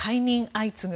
相次ぐ。